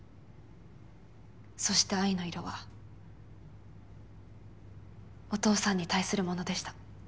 そして「愛」の色はお父さんに対するものでした。